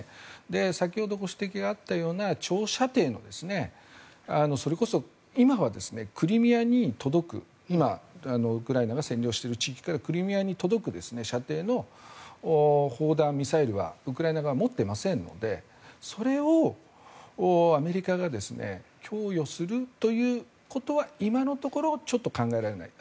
先ほどご指摘があったような長射程のそれこそ今はクリミアに届く今、ウクライナが占領している地域からクリミアに届く射程の砲弾、ミサイルはウクライナ側は持っていませんのでそれをアメリカが供与するということは今のところはちょっと考えられない。